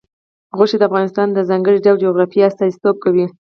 غوښې د افغانستان د ځانګړي ډول جغرافیه استازیتوب کوي.